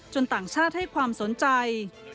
ต่างชาติให้ความสนใจ